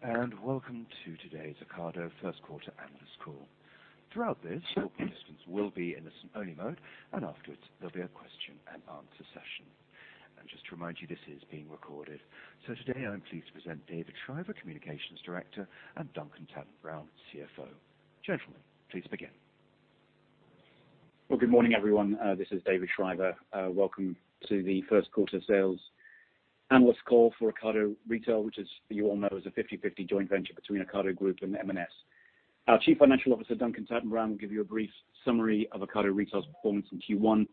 Hello, and welcome to today's Ocado first quarter Analyst call. Throughout this, your participants will be in a listen-only mode, and afterwards, there will be a question-and-answer session. Just to remind you, this is being recorded. Today, I am pleased to present David Shriver, Communications Director, and Duncan Tatton-Brown, CFO. Gentlemen, please begin. Good morning, everyone. This is David Shriver. Welcome to the First Quarter Sales Analyst call for Ocado Retail, which, as you all know, is a 50/50 joint venture between Ocado Group and M&S. Our Chief Financial Officer, Duncan Tatton-Brown, will give you a brief summary of Ocado Retail's performance in Q1.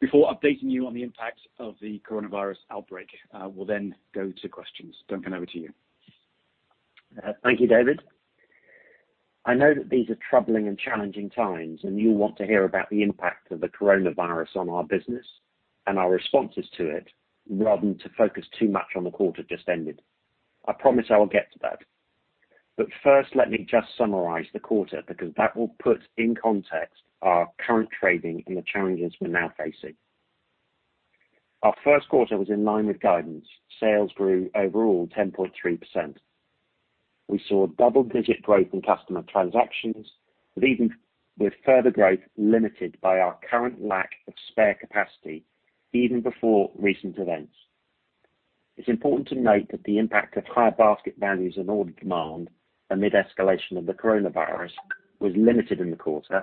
Before updating you on the impact of the coronavirus outbreak, we'll then go to questions. Duncan, over to you. Thank you, David. I know that these are troubling and challenging times, and you'll want to hear about the impact of the coronavirus on our business and our responses to it, rather than to focus too much on the quarter just ended. I promise I will get to that. First, let me just summarize the quarter because that will put in context our current trading and the challenges we're now facing. Our first quarter was in line with guidance. Sales grew overall 10.3%. We saw double-digit growth in customer transactions, with further growth limited by our current lack of spare capacity even before recent events. It's important to note that the impact of higher basket values and order demand amid escalation of the coronavirus was limited in the quarter,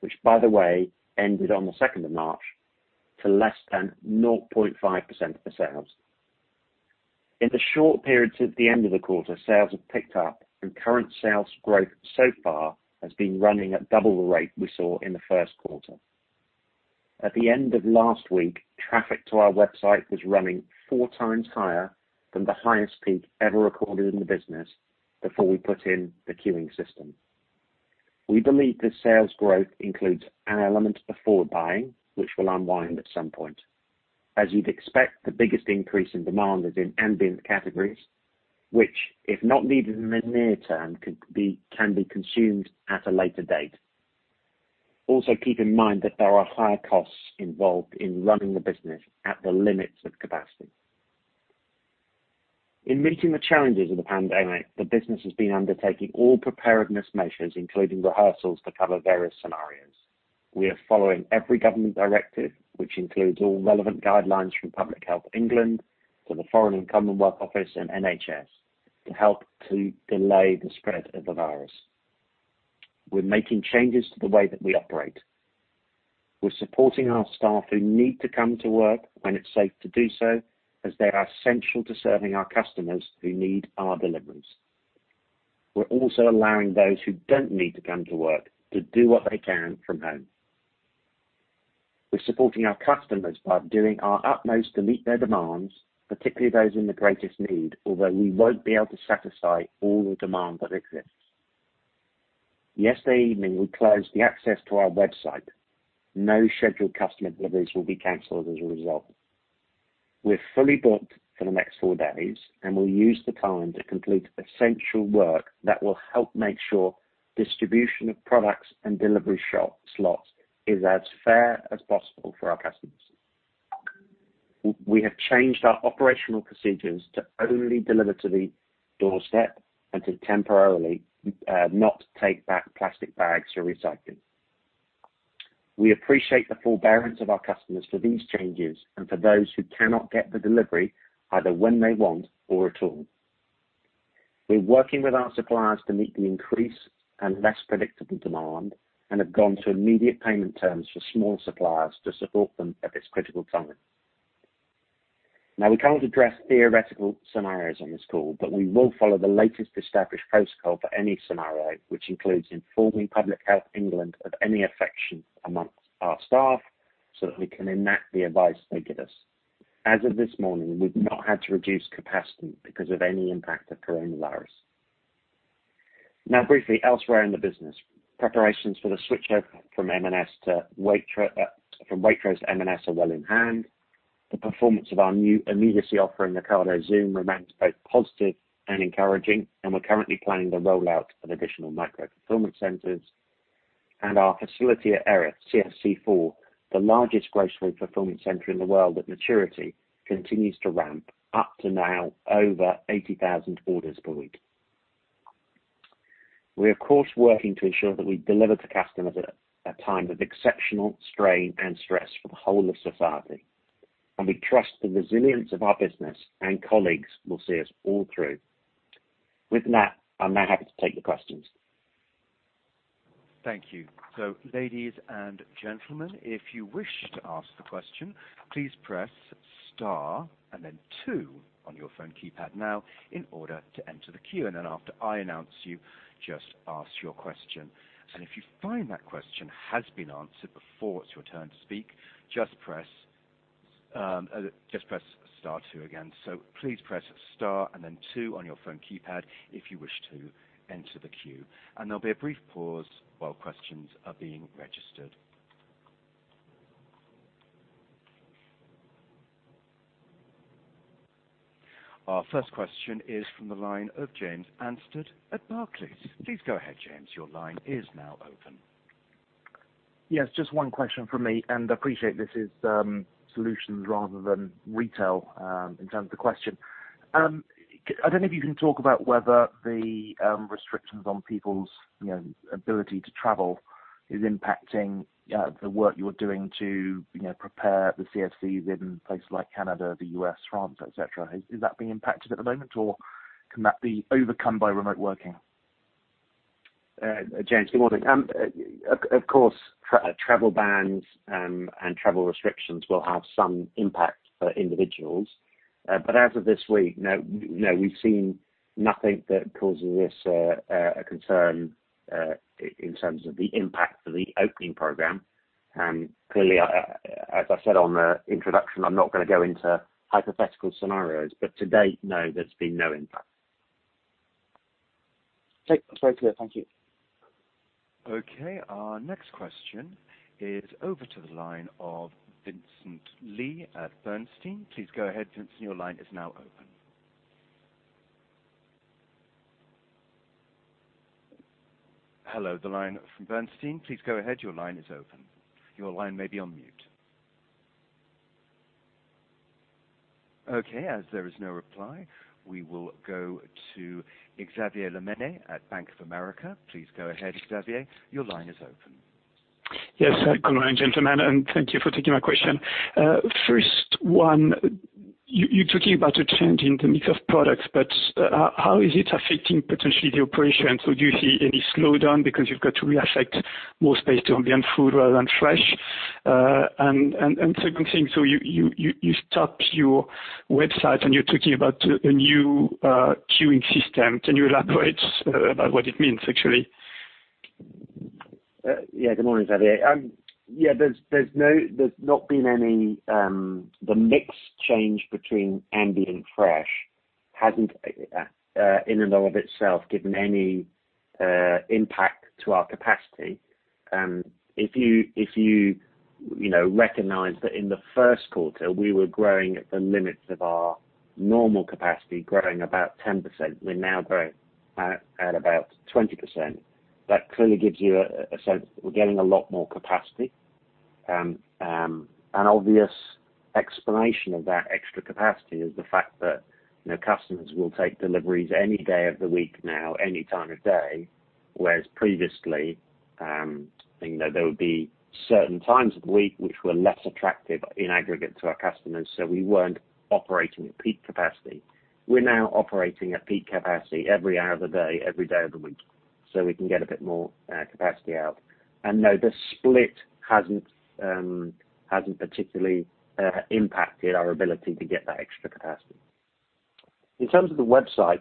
which, by the way, ended on the 2nd of March to less than 0.5% of the sales. In the short period since the end of the quarter, sales have picked up, and current sales growth so far has been running at double the rate we saw in the first quarter. At the end of last week, traffic to our website was running four times higher than the highest peak ever recorded in the business before we put in the queuing system. We believe this sales growth includes an element of forward buying, which will unwind at some point. As you'd expect, the biggest increase in demand is in ambient categories, which, if not needed in the near-term, can be consumed at a later date. Also, keep in mind that there are higher costs involved in running the business at the limits of capacity. In meeting the challenges of the pandemic, the business has been undertaking all preparedness measures, including rehearsals to cover various scenarios. We are following every government directive, which includes all relevant guidelines from Public Health England to the Foreign and Commonwealth Office and NHS, to help to delay the spread of the virus. We're making changes to the way that we operate. We're supporting our staff who need to come to work when it's safe to do so, as they are essential to serving our customers who need our deliveries. We're also allowing those who don't need to come to work to do what they can from home. We're supporting our customers by doing our utmost to meet their demands, particularly those in the greatest need, although we won't be able to satisfy all the demand that exists. Yesterday evening, we closed the access to our website. No scheduled customer deliveries will be canceled as a result. We're fully booked for the next four days, and we'll use the time to complete essential work that will help make sure distribution of products and delivery slots is as fair as possible for our customers. We have changed our operational procedures to only deliver to the doorstep and to temporarily not take back plastic bags for recycling. We appreciate the forbearance of our customers for these changes and for those who cannot get the delivery either when they want or at all. We're working with our suppliers to meet the increase and less predictable demand and have gone to immediate payment terms for smaller suppliers to support them at this critical time. Now, we can't address theoretical scenarios on this call, but we will follow the latest established protocol for any scenario, which includes informing Public Health England of any affections amongst our staff so that we can enact the advice they give us. As of this morning, we've not had to reduce capacity because of any impact of coronavirus. Briefly, elsewhere in the business, preparations for the switchover from M&S to Waitrose M&S are well in hand. The performance of our new immediacy offer in Ocado Zoom remains both positive and encouraging, and we're currently planning the rollout of additional micro fulfillment centers. Our facility at Erith, CSC4, the largest grocery fulfillment center in the world at maturity, continues to ramp up to now over 80,000 orders per week. We are, of course, working to ensure that we deliver to customers at a time of exceptional strain and stress for the whole of society, and we trust the resilience of our business and colleagues will see us all through. With that, I'm now happy to take your questions. Thank you. Ladies and gentlemen, if you wish to ask a question, please press Star and then Two on your phone keypad now in order to enter the queue. After I announce you, just ask your question. If you find that question has been answered before it is your turn to speak, just press Star Two again. Please press Star and then Two on your phone keypad if you wish to enter the queue. There will be a brief pause while questions are being registered. Our first question is from the line of James Anstead at Barclays. Please go ahead, James. Your line is now open. Yes, just one question from me, and I appreciate this is Solutions rather than Retail in terms of the question. I don't know if you can talk about whether the restrictions on people's ability to travel is impacting the work you're doing to prepare the CFCs in places like Canada, the US, France, etc. Is that being impacted at the moment, or can that be overcome by remote working? James, good morning. Of course, travel bans and travel restrictions will have some impact for individuals. As of this week, no, we've seen nothing that causes us a concern in terms of the impact of the opening program. Clearly, as I said on the introduction, I'm not going to go into hypothetical scenarios, but to date, no, there's been no impact. Okay. That's very clear. Thank you. Okay. Our next question is over to the line of Vincent Lee at Bernstein. Please go ahead, Vincent. Your line is now open. Hello, the line from Bernstein. Please go ahead. Your line is open. Your line may be on mute. Okay. As there is no reply, we will go to Xavier Le Mene at Bank of America. Please go ahead, Xavier. Your line is open. Yes, good morning, gentlemen, and thank you for taking my question. First one, you're talking about a change in the mix of products, but how is it affecting potentially the operations? Do you see any slowdown because you've got to reassign more space to ambient food rather than fresh? The second thing, you stopped your website and you're talking about a new queuing system. Can you elaborate about what it means, actually? Yeah, good morning, Xavier. Yeah, there's not been any—the mix change between ambient fresh hasn't, in and of itself, given any impact to our capacity. If you recognize that in the first quarter, we were growing at the limits of our normal capacity, growing about 10%. We're now growing at about 20%. That clearly gives you a sense that we're getting a lot more capacity. An obvious explanation of that extra capacity is the fact that customers will take deliveries any day of the week now, any time of day, whereas previously, there would be certain times of the week which were less attractive in aggregate to our customers, so we weren't operating at peak capacity. We're now operating at peak capacity every hour of the day, every day of the week, so we can get a bit more capacity out. No, the split hasn't particularly impacted our ability to get that extra capacity. In terms of the website,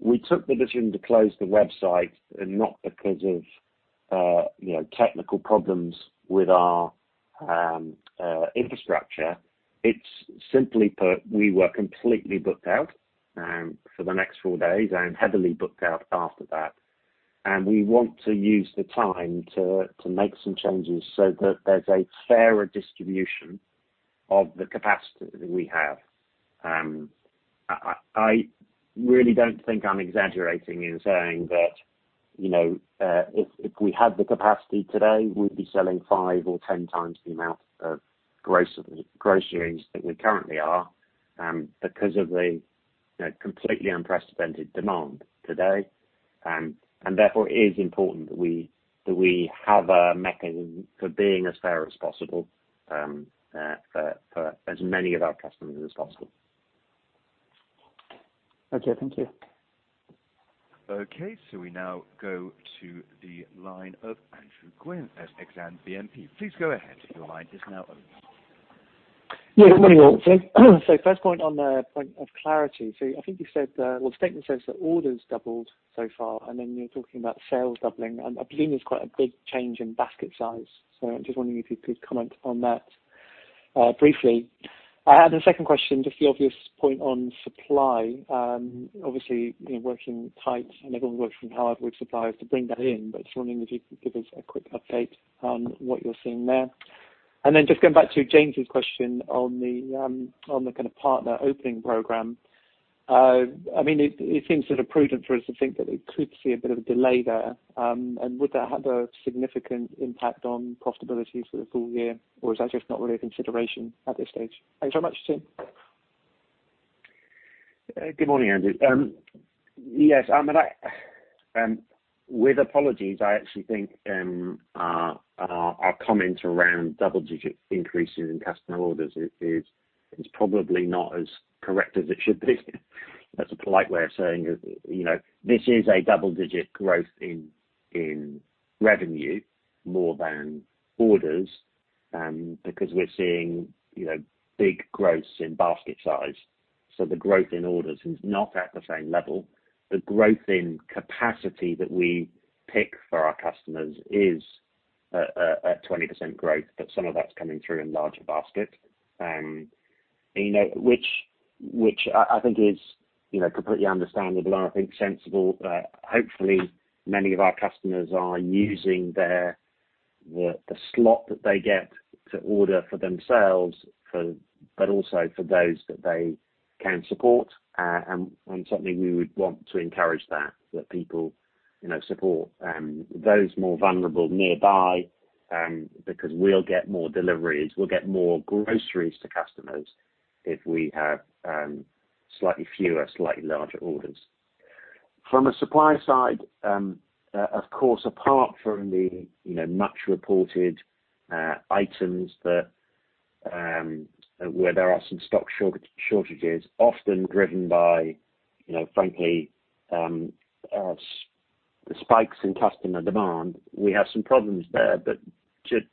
we took the decision to close the website not because of technical problems with our infrastructure. Simply put, we were completely booked out for the next four days and heavily booked out after that. We want to use the time to make some changes so that there's a fairer distribution of the capacity that we have. I really don't think I'm exaggerating in saying that if we had the capacity today, we'd be selling 5 or 10x the amount of groceries that we currently are because of the completely unprecedented demand today. Therefore, it is important that we have a mechanism for being as fair as possible for as many of our customers as possible. Okay. Thank you. Okay. We now go to the line of Andrew Gwynn at Exane BNP. Please go ahead. Your line is now open. Good morning, all. First point on the point of clarity. I think you said, the statement says that orders doubled so far, and then you're talking about sales doubling. I presume there's quite a big change in basket size. I'm just wondering if you could comment on that briefly. The second question, just the obvious point on supply. Obviously, working tight, and everyone works from hardwood suppliers to bring that in, but just wondering if you could give us a quick update on what you're seeing there. Just going back to James's question on the kind of partner opening program. I mean, it seems sort of prudent for us to think that we could see a bit of a delay there. Would that have a significant impact on profitability for the full year, or is that just not really a consideration at this stage? Thanks very much, Tim. Good morning, Andrew. Yes, with apologies, I actually think our comments around double-digit increases in customer orders is probably not as correct as it should be. That is a polite way of saying it. This is a double-digit growth in revenue more than orders because we are seeing big growths in basket size. The growth in orders is not at the same level. The growth in capacity that we pick for our customers is at 20% growth, but some of that is coming through in larger baskets, which I think is completely understandable and I think sensible. Hopefully, many of our customers are using the slot that they get to order for themselves, but also for those that they can support. Certainly, we would want to encourage that, that people support those more vulnerable nearby because we will get more deliveries. We'll get more groceries to customers if we have slightly fewer, slightly larger orders. From a supply side, of course, apart from the much-reported items where there are some stock shortages, often driven by, frankly, the spikes in customer demand, we have some problems there.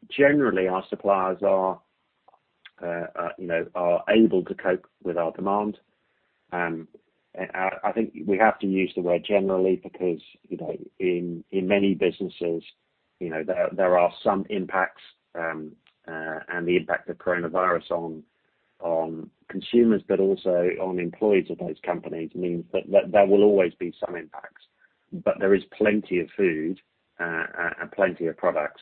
Generally, our suppliers are able to cope with our demand. I think we have to use the word generally because in many businesses, there are some impacts, and the impact of coronavirus on consumers, but also on employees of those companies, means that there will always be some impacts. There is plenty of food and plenty of products,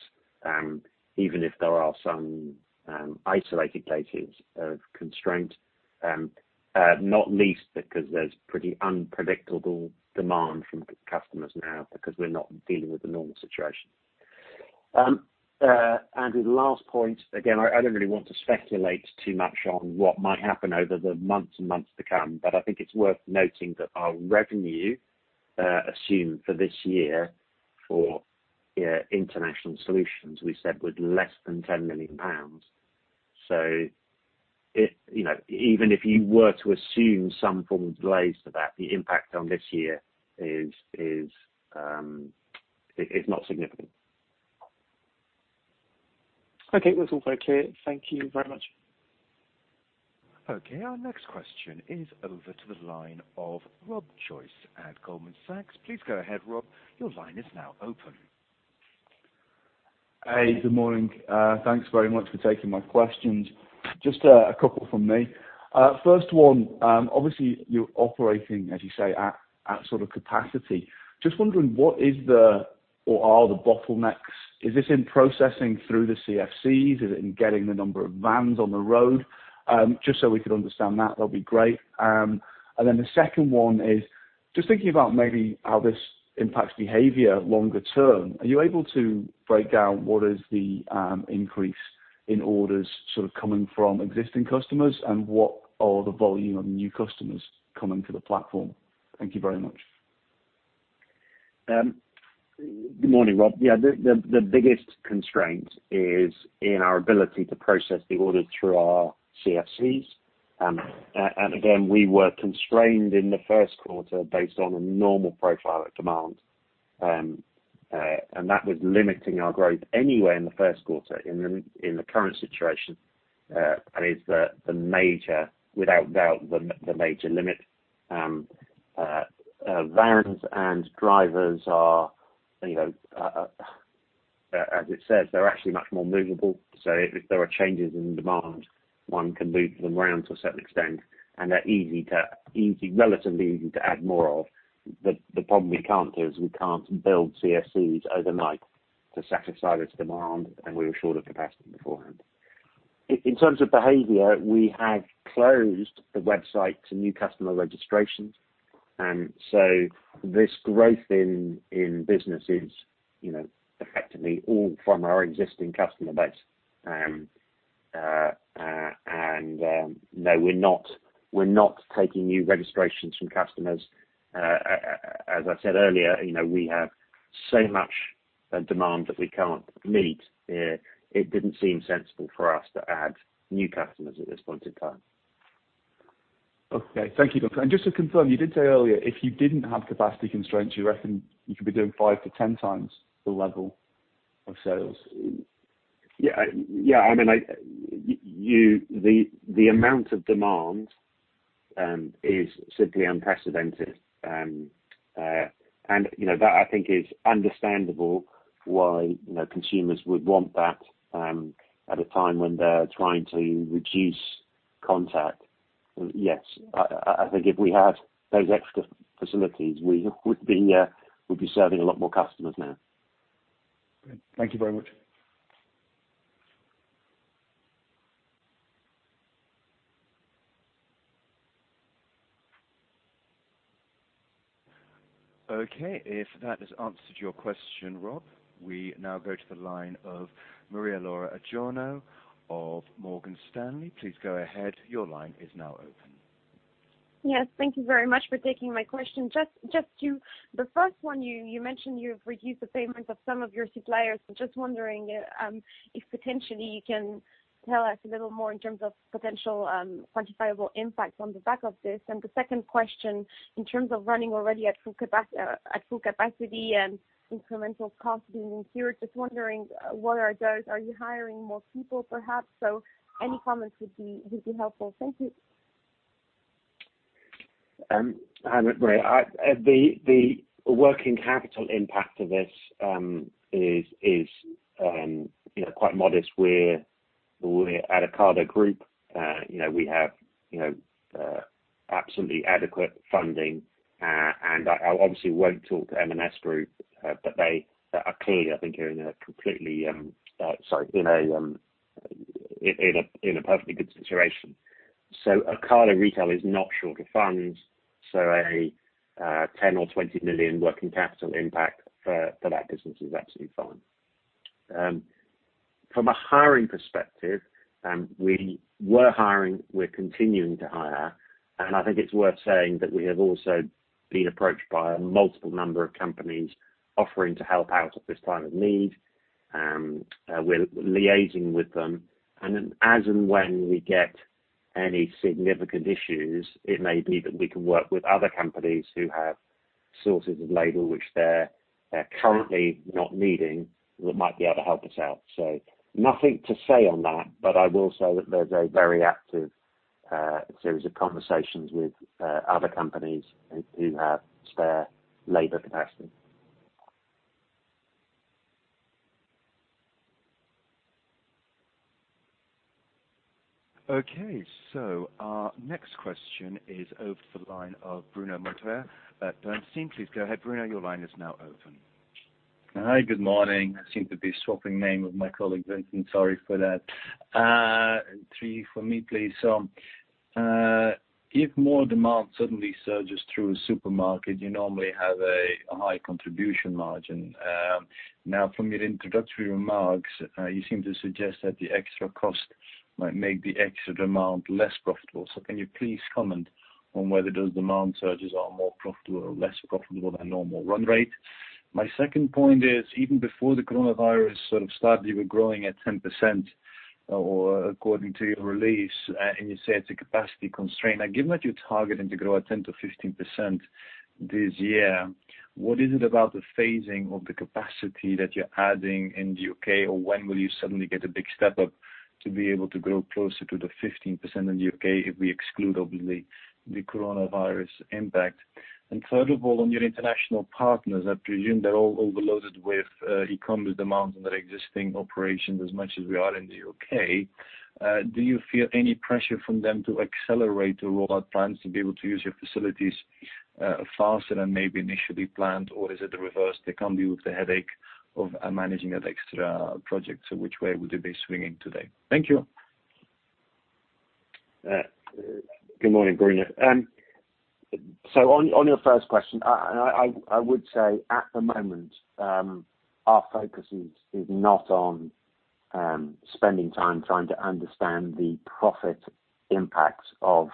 even if there are some isolated cases of constraint, not least because there's pretty unpredictable demand from customers now because we're not dealing with the normal situation. The last point, again, I don't really want to speculate too much on what might happen over the months and months to come, but I think it's worth noting that our revenue assumed for this year for International Solutions, we said, was less than 10 million pounds. Even if you were to assume some form of delays to that, the impact on this year is not significant. Okay. That's all very clear. Thank you very much. Okay. Our next question is over to the line of Rob Joyce at Goldman Sachs. Please go ahead, Rob. Your line is now open. Hey, good morning. Thanks very much for taking my questions. Just a couple from me. First one, obviously, you're operating, as you say, at sort of capacity. Just wondering what is the or are the bottlenecks? Is this in processing through the CFCs? Is it in getting the number of vans on the road? Just so we can understand that, that'll be great. The second one is just thinking about maybe how this impacts behavior longer term. Are you able to break down what is the increase in orders sort of coming from existing customers, and what are the volume of new customers coming to the platform? Thank you very much. Good morning, Rob. Yeah, the biggest constraint is in our ability to process the orders through our CFCs. Again, we were constrained in the first quarter based on a normal profile of demand, and that was limiting our growth anywhere in the first quarter in the current situation. It is the major, without doubt, the major limit. Vans and drivers are, as it says, they're actually much more movable. If there are changes in demand, one can move them around to a certain extent, and they're relatively easy to add more of. The problem we can't do is we can't build CFCs overnight to satisfy this demand, and we were short of capacity beforehand. In terms of behavior, we have closed the website to new customer registrations. This growth in business is effectively all from our existing customer base. No, we're not taking new registrations from customers. As I said earlier, we have so much demand that we can't meet. It didn't seem sensible for us to add new customers at this point in time. Okay. Thank you. Just to confirm, you did say earlier if you did not have capacity constraints, you reckon you could be doing 5 to 10x the level of sales. Yeah. Yeah. I mean, the amount of demand is simply unprecedented. That, I think, is understandable why consumers would want that at a time when they're trying to reduce contact. Yes, I think if we had those extra facilities, we would be serving a lot more customers now. Thank you very much. Okay. If that has answered your question, Rob, we now go to the line of Maria Laura Adurno of Morgan Stanley. Please go ahead. Your line is now open. Yes. Thank you very much for taking my question. Just the first one, you mentioned you've reduced the payments of some of your suppliers. I'm just wondering if potentially you can tell us a little more in terms of potential quantifiable impacts on the back of this. The second question, in terms of running already at full capacity and incremental cost being incurred, just wondering what are those? Are you hiring more people, perhaps? Any comments would be helpful. Thank you. Hi Marie. The working capital impact of this is quite modest. We are at Ocado Group. We have absolutely adequate funding. I obviously will not talk to M&S Group, but they are clearly, I think, in a perfectly good situation. Ocado Retail is not short of funds. A 10 million-20 million working capital impact for that business is absolutely fine. From a hiring perspective, we were hiring. We are continuing to hire. I think it is worth saying that we have also been approached by a multiple number of companies offering to help out at this time of need. We are liaising with them. As and when we get any significant issues, it may be that we can work with other companies who have sources of labor which they are currently not needing that might be able to help us out. Nothing to say on that, but I will say that there's a very active series of conversations with other companies who have spare labor capacity. Okay. Our next question is over to the line of Bruno Monteyne at Bernstein. Please go ahead, Bruno. Your line is now open. Hi. Good morning. Seem to be swapping name with my colleague Vincent. Sorry for that. Three for me, please. If more demand suddenly surges through a supermarket, you normally have a high contribution margin. Now, from your introductory remarks, you seem to suggest that the extra cost might make the extra demand less profitable. Can you please comment on whether those demand surges are more profitable or less profitable than normal run rate? My second point is, even before the coronavirus sort of started, you were growing at 10%, according to your release, and you say it's a capacity constraint. Given that you're targeting to grow at 10%-15% this year, what is it about the phasing of the capacity that you're adding in the U.K., or when will you suddenly get a big step up to be able to grow closer to the 15% in the U.K. if we exclude, obviously, the coronavirus impact? Third of all, on your international partners, I presume they're all overloaded with e-commerce demands and their existing operations as much as we are in the U.K. Do you feel any pressure from them to accelerate the rollout plans to be able to use your facilities faster than maybe initially planned, or is it the reverse? They can't deal with the headache of managing that extra project. Which way would they be swinging today? Thank you. Good morning, Bruno. On your first question, I would say at the moment, our focus is not on spending time trying to understand the profit impacts of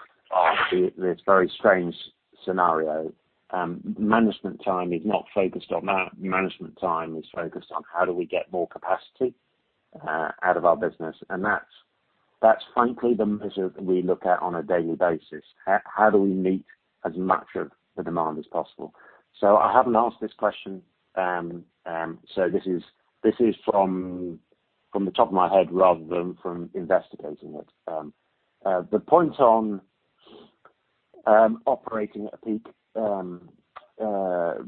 this very strange scenario. Management time is not focused on that. Management time is focused on how do we get more capacity out of our business. That's, frankly, the measure that we look at on a daily basis. How do we meet as much of the demand as possible? I haven't asked this question, so this is from the top of my head rather than from investigating it. The point on operating at a peak,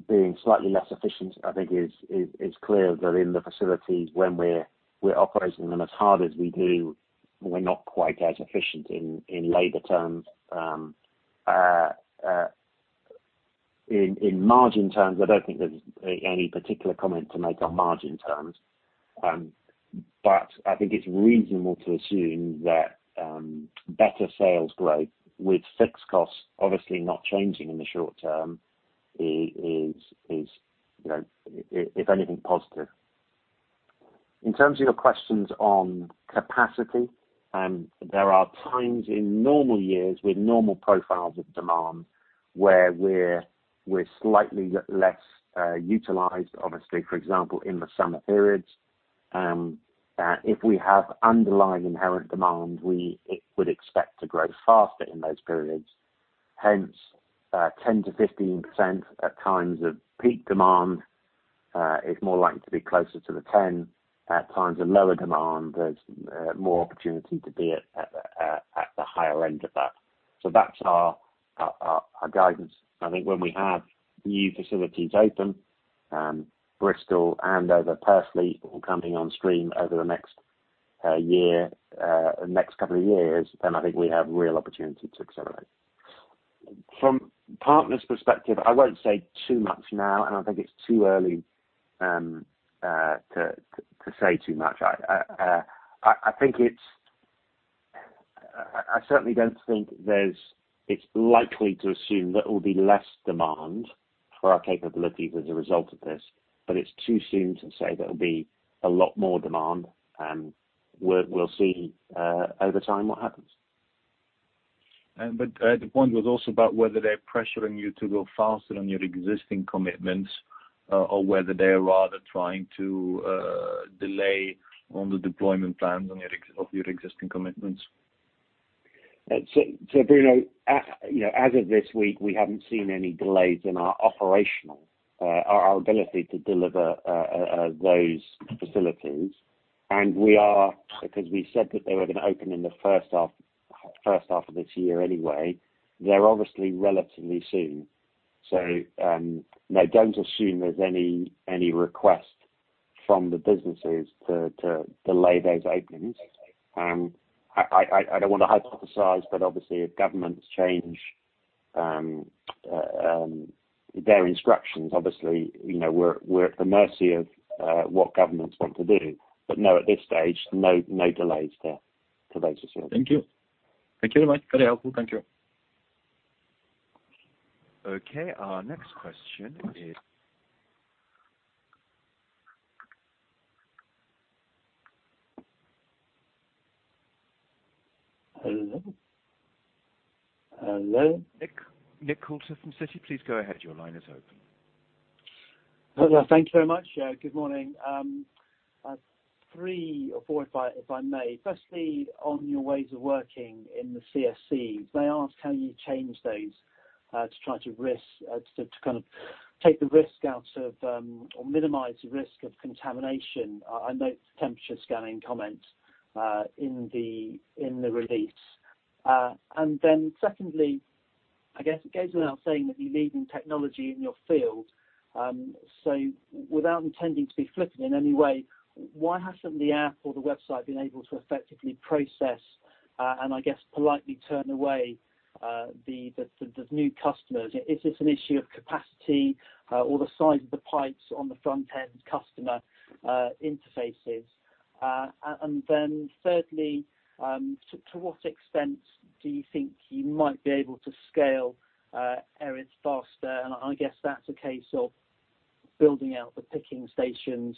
being slightly less efficient, I think is clear that in the facilities, when we're operating them as hard as we do, we're not quite as efficient in labor terms. In margin terms, I don't think there's any particular comment to make on margin terms. I think it's reasonable to assume that better sales growth with fixed costs, obviously not changing in the short-term, is, if anything, positive. In terms of your questions on capacity, there are times in normal years with normal profiles of demand where we're slightly less utilized, obviously, for example, in the summer periods. If we have underlying inherent demand, we would expect to grow faster in those periods. Hence, 10%-15% at times of peak demand is more likely to be closer to the 10%. At times of lower demand, there's more opportunity to be at the higher end of that. That's our guidance. I think when we have new facilities open, Bristol and over Purfleet, all coming on stream over the next couple of years, then I think we have real opportunity to accelerate. From partner's perspective, I won't say too much now, and I think it's too early to say too much. I certainly don't think it's likely to assume that there will be less demand for our capabilities as a result of this, but it's too soon to say there will be a lot more demand. We'll see over time what happens. The point was also about whether they're pressuring you to go faster on your existing commitments or whether they're rather trying to delay on the deployment plans of your existing commitments. Bruno, as of this week, we haven't seen any delays in our operational, our ability to deliver those facilities. Because we said that they were going to open in the first half of this year anyway, they're obviously relatively soon. Don't assume there's any request from the businesses to delay those openings. I don't want to hypothesize, but obviously, if governments change their instructions, we're at the mercy of what governments want to do. At this stage, no delays to those facilities. Thank you. Thank you very much. Very helpful. Thank you. Okay. Our next question is. Hello. Hello. Nick Coulter from Citi. Please go ahead. Your line is open. Hello. Thank you very much. Good morning. Three or four, if I may. Firstly, on your ways of working in the CFCs, they ask how you change those to try to kind of take the risk out of or minimize the risk of contamination. I note the temperature scanning comment in the release. Secondly, I guess it goes without saying that you're leading technology in your field. Without intending to be flippant in any way, why hasn't the app or the website been able to effectively process and, I guess, politely turn away the new customers? Is this an issue of capacity or the size of the pipes on the front-end customer interfaces? Thirdly, to what extent do you think you might be able to scale Erith faster? I guess that's a case of building out the picking stations,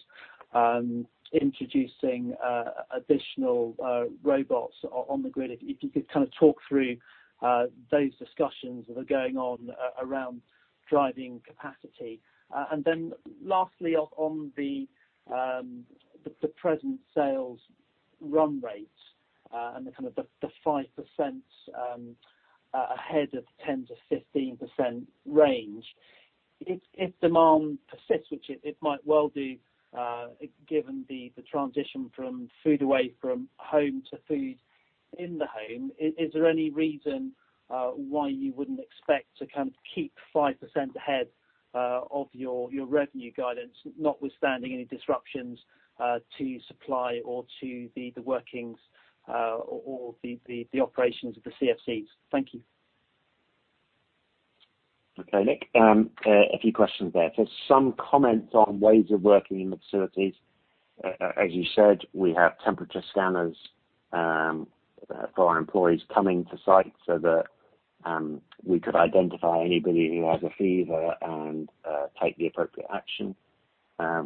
introducing additional robots on the grid. If you could kind of talk through those discussions that are going on around driving capacity. Lastly, on the present sales run rate and kind of the 5% ahead of 10%-15% range, if demand persists, which it might well do given the transition from food away from home to food in the home, is there any reason why you wouldn't expect to kind of keep 5% ahead of your revenue guidance, notwithstanding any disruptions to supply or to the workings or the operations of the CFCs? Thank you. Okay. Nick, a few questions there. Some comments on ways of working in the facilities. As you said, we have temperature scanners for our employees coming to site so that we could identify anybody who has a fever and take the appropriate action.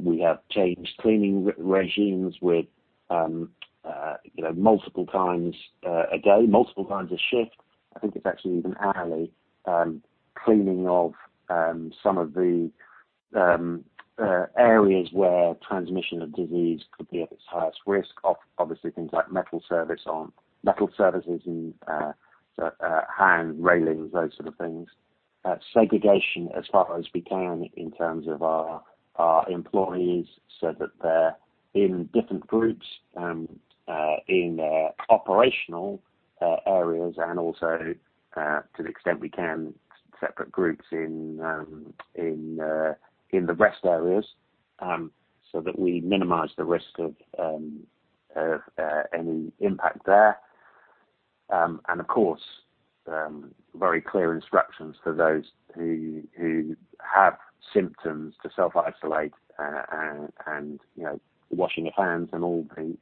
We have changed cleaning regimes with multiple times a day, multiple times a shift. I think it's actually even hourly cleaning of some of the areas where transmission of disease could be at its highest risk, obviously things like metal surfaces and hand railings, those sort of things. Segregation as far as we can in terms of our employees so that they're in different groups in operational areas and also, to the extent we can, separate groups in the rest areas so that we minimize the risk of any impact there. Of course, very clear instructions for those who have symptoms to self-isolate and washing your hands and all the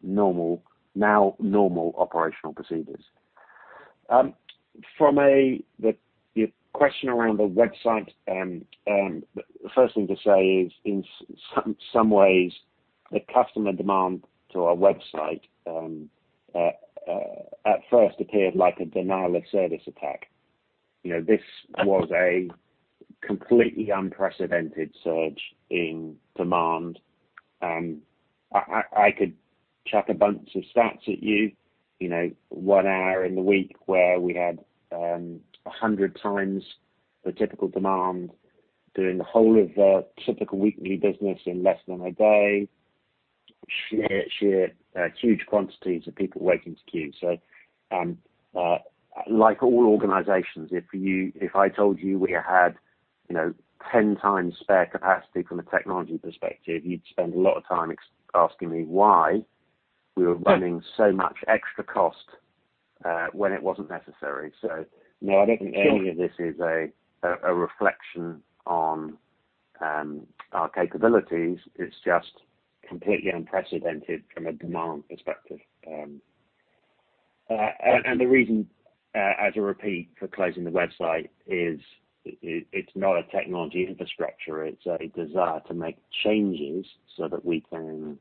now normal operational procedures. From the question around the website, the first thing to say is, in some ways, the customer demand to our website at first appeared like a denial of service attack. This was a completely unprecedented surge in demand. I could chuck a bunch of stats at you. One hour in the week where we had 100x the typical demand, doing the whole of the typical weekly business in less than a day, sheer huge quantities of people waiting to queue. Like all organizations, if I told you we had 10x spare capacity from a technology perspective, you'd spend a lot of time asking me why we were running so much extra cost when it wasn't necessary. No, I don't think any of this is a reflection on our capabilities. It's just completely unprecedented from a demand perspective. The reason, as a repeat, for closing the website is it's not a technology infrastructure. It's a desire to make changes so that we can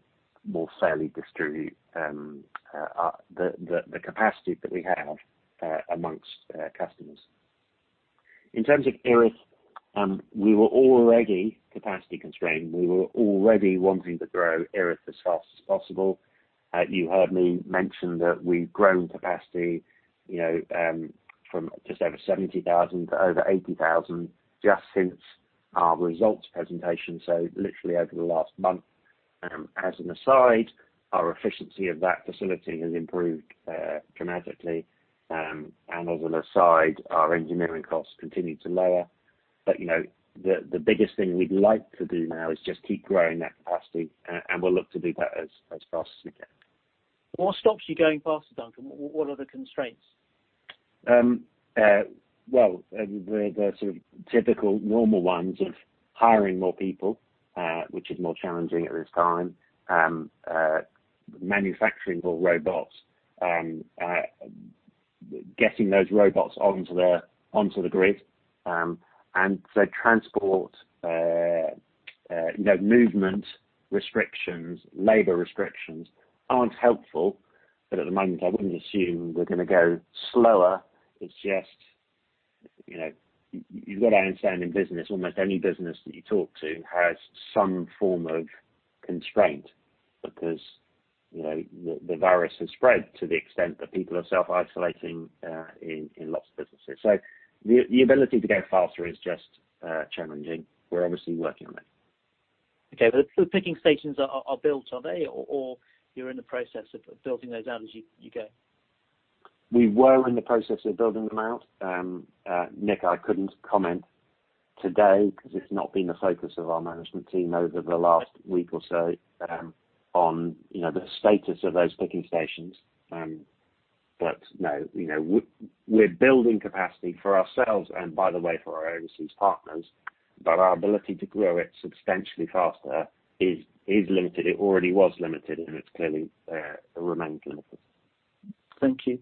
more fairly distribute the capacity that we have amongst customers. In terms of Erith, we were already capacity constrained. We were already wanting to grow Erith as fast as possible. You heard me mention that we've grown capacity from just over 70,000 to over 80,000 just since our results presentation, so literally over the last month. As an aside, our efficiency of that facility has improved dramatically. As an aside, our engineering costs continue to lower. The biggest thing we'd like to do now is just keep growing that capacity, and we'll look to do that as fast as we can. What stops you going faster, Duncan? What are the constraints? The sort of typical normal ones of hiring more people, which is more challenging at this time, manufacturing more robots, getting those robots onto the grid. Transport, movement restrictions, labor restrictions are not helpful, but at the moment, I would not assume we are going to go slower. You have got to understand in business, almost any business that you talk to has some form of constraint because the virus has spread to the extent that people are self-isolating in lots of businesses. The ability to go faster is just challenging. We are obviously working on it. Okay. The picking stations are built, are they? Or you're in the process of building those out as you go? We were in the process of building them out. Nick, I could not comment today because it has not been the focus of our management team over the last week or so on the status of those picking stations. No, we are building capacity for ourselves and, by the way, for our overseas partners. Our ability to grow it substantially faster is limited. It already was limited, and it clearly remains limited. Thank you.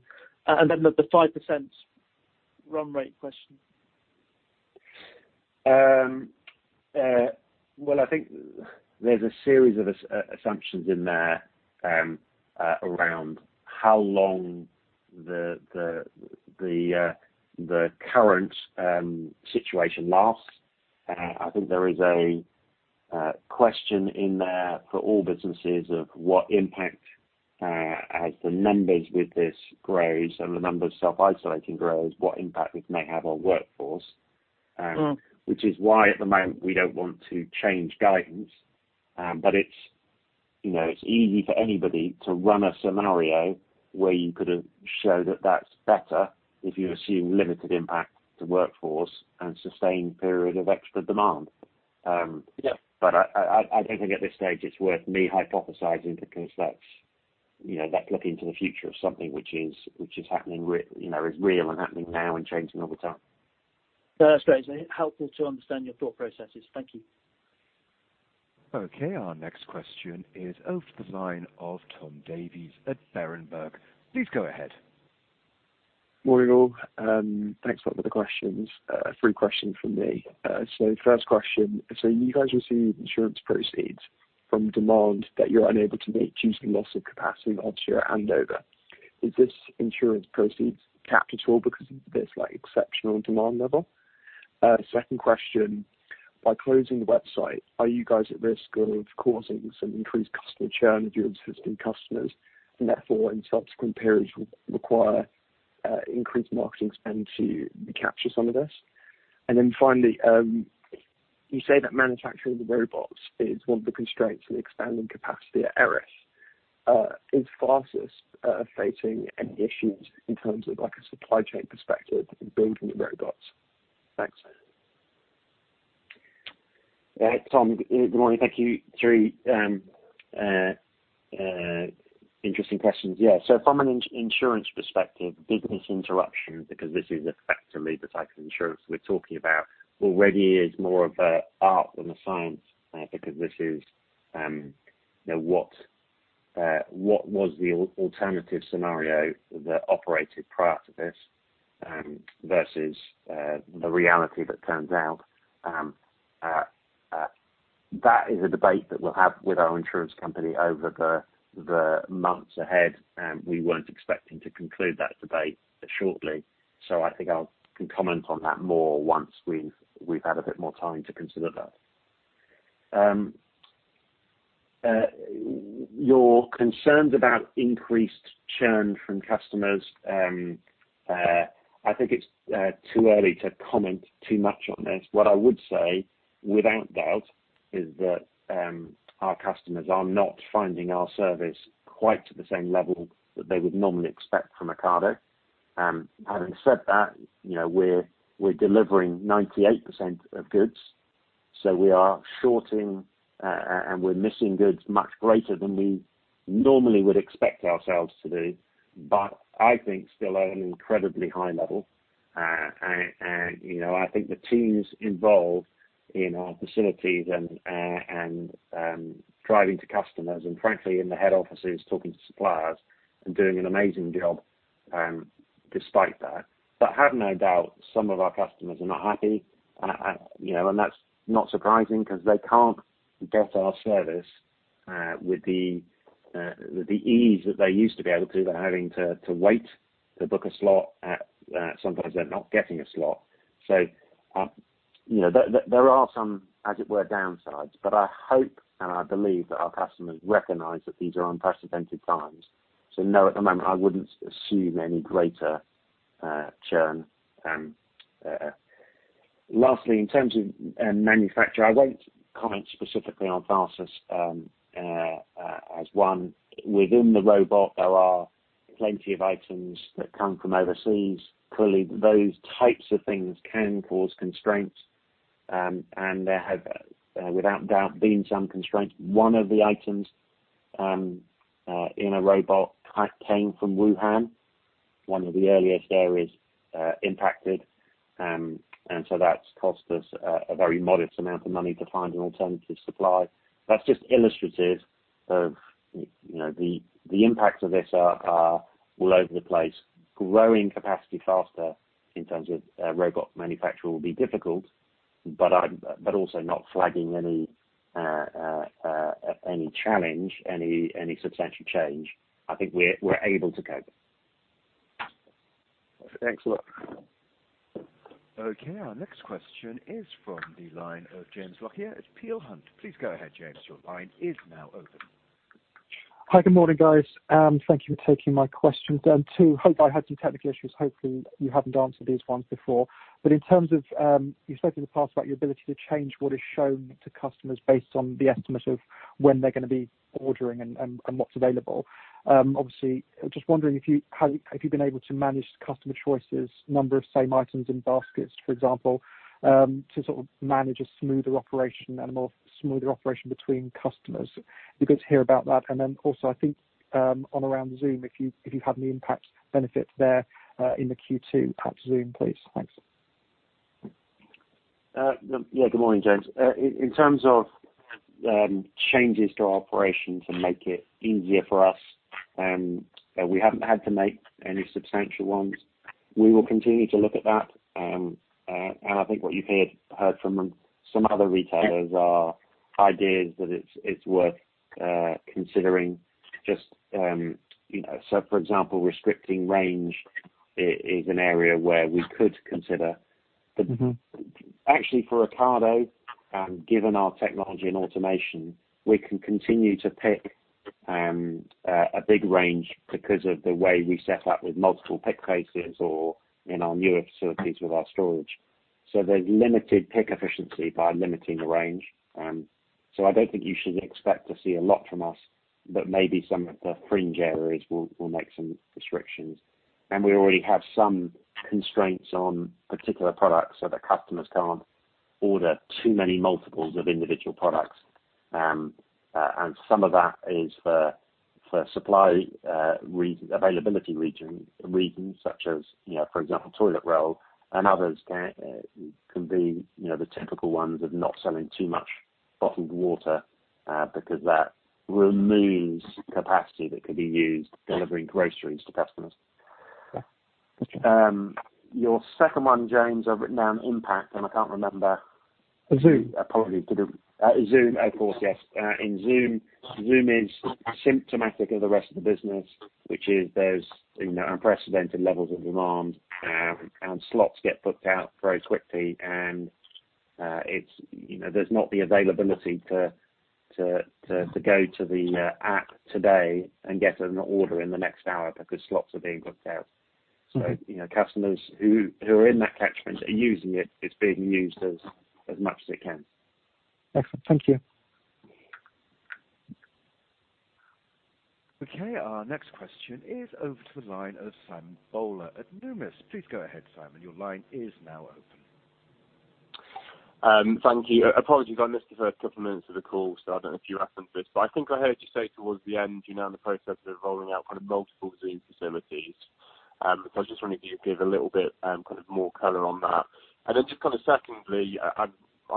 The 5% run rate question. I think there's a series of assumptions in there around how long the current situation lasts. I think there is a question in there for all businesses of what impact, as the numbers with this grow, so the numbers self-isolating grow, what impact this may have on workforce, which is why at the moment we don't want to change guidance. It's easy for anybody to run a scenario where you could show that that's better if you assume limited impact to workforce and sustained period of extra demand. I don't think at this stage it's worth me hypothesizing because that's looking to the future of something which is happening, is real and happening now and changing all the time. That's great. It's helpful to understand your thought processes. Thank you. Okay. Our next question is over to the line of Tom Davies at Berenberg. Please go ahead. Morning all. Thanks a lot for the questions. Three questions from me. First question. You guys receive insurance proceeds from demand that you're unable to meet due to the loss of capacity onto your handover. Is this insurance proceeds capped at all because of this exceptional demand level? Second question. By closing the website, are you guys at risk of causing some increased customer churn of your existing customers and therefore, in subsequent periods, will require increased marketing spend to recapture some of this? Finally, you say that manufacturing the robots is one of the constraints in expanding capacity at Erith. Is fastest facing any issues in terms of a supply chain perspective in building the robots? Thanks. Yeah. Tom, good morning. Thank you. Three interesting questions. Yeah. From an insurance perspective, business interruption, because this is effectively the type of insurance we're talking about, already is more of an art than a science because this is what was the alternative scenario that operated prior to this versus the reality that turns out. That is a debate that we'll have with our insurance company over the months ahead. We weren't expecting to conclude that debate shortly. I think I can comment on that more once we've had a bit more time to consider that. Your concerns about increased churn from customers, I think it's too early to comment too much on this. What I would say, without doubt, is that our customers are not finding our service quite to the same level that they would normally expect from Ocado. Having said that, we're delivering 98% of goods, so we are shorting and we're missing goods much greater than we normally would expect ourselves to do, but I think still at an incredibly high level. I think the teams involved in our facilities and driving to customers and, frankly, in the head offices talking to suppliers and doing an amazing job despite that. Have no doubt, some of our customers are not happy. That's not surprising because they can't get our service with the ease that they used to be able to. They're having to wait to book a slot. Sometimes they're not getting a slot. There are some, as it were, downsides, but I hope and I believe that our customers recognize that these are unprecedented times. No, at the moment, I wouldn't assume any greater churn. Lastly, in terms of manufacture, I will not comment specifically on fastest as one. Within the robot, there are plenty of items that come from overseas. Clearly, those types of things can cause constraints, and there have, without doubt, been some constraints. One of the items in a robot came from Wuhan, one of the earliest areas impacted. That has cost us a very modest amount of money to find an alternative supply. That is just illustrative of the impacts of this being all over the place. Growing capacity faster in terms of robot manufacture will be difficult, but also not flagging any challenge, any substantial change. I think we are able to cope. Excellent. Okay. Our next question is from the line of James Lockyer at Peel Hunt. Please go ahead, James. Your line is now open. Hi, good morning, guys. Thank you for taking my questions. I had some technical issues. Hopefully, you haven't answered these ones before. In terms of you spoke in the past about your ability to change what is shown to customers based on the estimate of when they're going to be ordering and what's available. Obviously, just wondering if you've been able to manage customer choices, number of same items in baskets, for example, to sort of manage a smoother operation and a more smoother operation between customers. Good to hear about that. Also, I think on around Zoom, if you have any impact benefits there in the Q2, perhaps Zoom, please. Thanks. Yeah. Good morning, James. In terms of changes to our operations and make it easier for us, we haven't had to make any substantial ones. We will continue to look at that. I think what you've heard from some other retailers are ideas that it's worth considering. Just so, for example, restricting range is an area where we could consider. Actually, for Ocado, given our technology and automation, we can continue to pick a big range because of the way we set up with multiple pick cases or in our newer facilities with our storage. There is limited pick efficiency by limiting the range. I don't think you should expect to see a lot from us, but maybe some of the fringe areas will make some restrictions. We already have some constraints on particular products so that customers can't order too many multiples of individual products. Some of that is for supply availability reasons, such as, for example, toilet roll. Others can be the typical ones of not selling too much bottled water because that removes capacity that could be used delivering groceries to customers. Gotcha. Your second one, James, I've written down impact, and I can't remember. Zoom. Apologies. Zoom, of course, yes. In Zoom, Zoom is symptomatic of the rest of the business, which is there is unprecedented levels of demand, and slots get booked out very quickly, and there is not the availability to go to the app today and get an order in the next hour because slots are being booked out. Customers who are in that catchment are using it. It is being used as much as it can. Excellent. Thank you. Okay. Our next question is over to the line of Simon Bowler at Numis. Please go ahead, Simon. Your line is now open. Thank you. Apologies. I missed the first couple of minutes of the call, so I don't know if you're up on this, but I think I heard you say towards the end you're now in the process of rolling out kind of multiple Zoom facilities. I just wanted you to give a little bit kind of more color on that. Just kind of secondly, I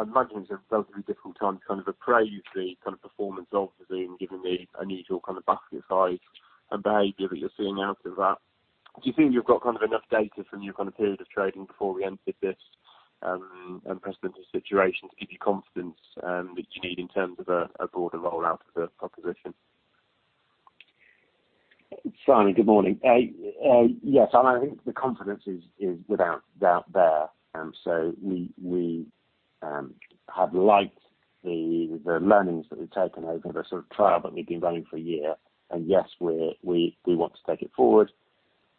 imagine it's a relatively difficult time to kind of appraise the kind of performance of the Zoom, given the unusual kind of basket size and behavior that you're seeing out of that. Do you think you've got kind of enough data from your kind of period of trading before we entered this unprecedented situation to give you confidence that you need in terms of a broader rollout of the proposition? Simon, good morning. Yes. I think the confidence is without doubt there. We have liked the learnings that we've taken over the sort of trial that we've been running for a year. Yes, we want to take it forward.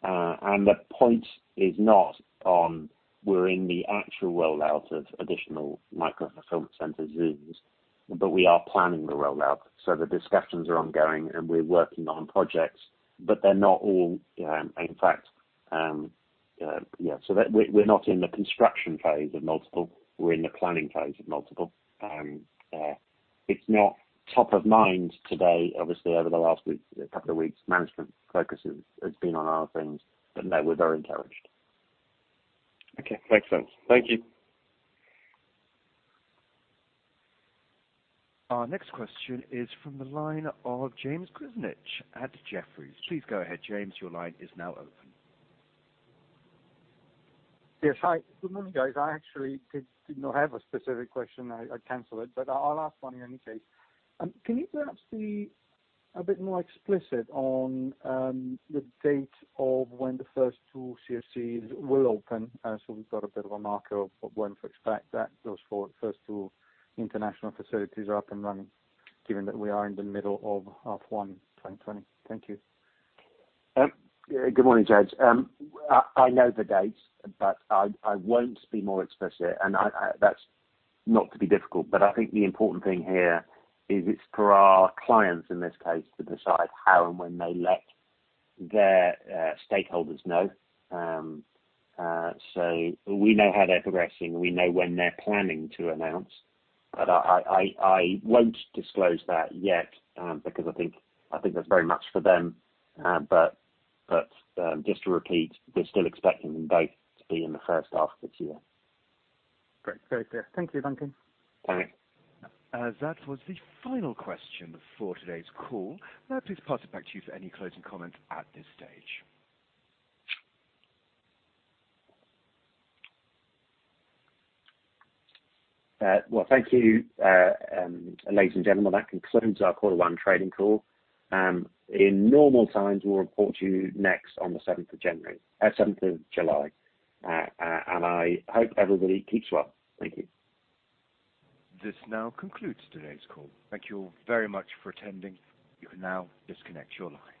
The point is not on we're in the actual rollout of additional micro fulfillment center Zooms, but we are planning the rollout. The discussions are ongoing, and we're working on projects, but they're not all, in fact, yeah. We're not in the construction phase of multiple. We're in the planning phase of multiple. It's not top of mind today. Obviously, over the last couple of weeks, management focus has been on other things, but no, we're very encouraged. Okay. Makes sense. Thank you. Our next question is from the line of James Grzinic at Jefferies. Please go ahead, James. Your line is now open. Yes. Hi. Good morning, guys. I actually did not have a specific question. I canceled it, but I'll ask one in any case. Can you perhaps be a bit more explicit on the date of when the first two CFCs will open? We have got a bit of a marker of when to expect that those first two international facilities are up and running, given that we are in the middle of half one 2020. Thank you. Good morning, James. I know the dates, but I won't be more explicit. That is not to be difficult, but I think the important thing here is it's for our clients in this case to decide how and when they let their stakeholders know. We know how they're progressing. We know when they're planning to announce, but I won't disclose that yet because I think that's very much for them. Just to repeat, we're still expecting them both to be in the first half of this year. Great. Very clear. Thank you. Thank you. Thanks. That was the final question for today's call. Now, please pass it back to you for any closing comments at this stage. Thank you, ladies and gentlemen. That concludes our quarter one trading call. In normal times, we'll report to you next on the 7th of July. I hope everybody keeps well. Thank you. This now concludes today's call. Thank you all very much for attending. You can now disconnect your lines.